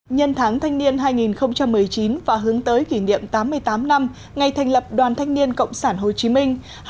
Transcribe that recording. nhân tháng thanh niên hai nghìn một mươi chín và hướng tới kỷ niệm tám mươi tám năm ngày thành lập đoàn thanh niên cộng sản hồ chí minh